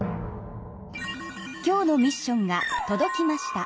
今日のミッションがとどきました。